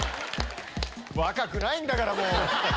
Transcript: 若くないんだから。